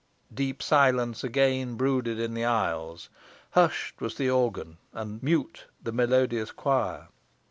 Deep silence again brooded in the aisles; hushed was the organ; mute the melodious choir.